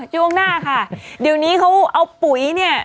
ช่วงหน้าค่ะเดี๋ยวนี้เขาเอาปุ๋ยเนี่ย